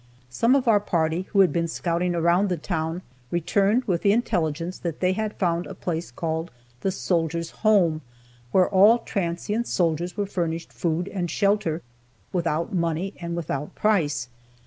Some of our party who had been scouting around the town returned with the intelligence that they had found a place called "The Soldiers' Home," where all transient soldiers were furnished food and shelter "without money and without price."